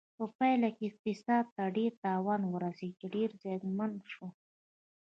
په پایله کې اقتصاد ته ډیر تاوان ورسېده چې ډېر زیانمن شو.